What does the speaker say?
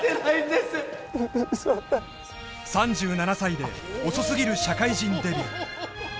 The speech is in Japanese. ウソだ３７歳で遅すぎる社会人デビュー